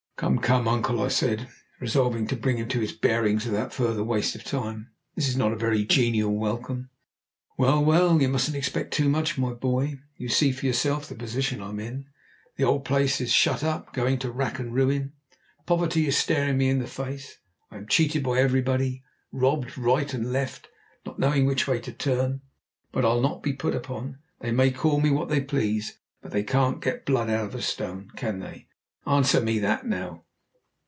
"Come, come, uncle," I said, resolving to bring him to his bearings without further waste of time. "This is not a very genial welcome!" "Well, well, you mustn't expect too much, my boy! You see for yourself the position I'm in. The old place is shut up, going to rack and ruin. Poverty is staring me in the face; I am cheated by everybody. Robbed right and left, not knowing which way to turn. But I'll not be put upon. They may call me what they please, but they can't get blood out of a stone. Can they! Answer me that, now!"